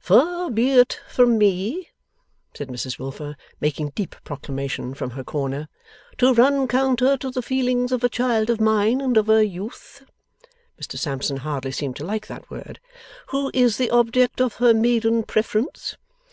'Far be it from me,' said Mrs Wilfer, making deep proclamation from her corner, 'to run counter to the feelings of a child of mine, and of a Youth,' Mr Sampson hardly seemed to like that word, 'who is the object of her maiden preference.